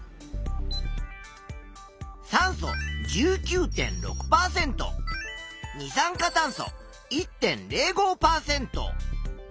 酸素１９．６％二酸化炭素１．０５％。